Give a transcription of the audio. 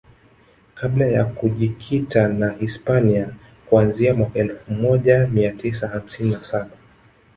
kabla ya kujikita na Hispania kuanzia mwaka elfu moja mia tisa hamsini na saba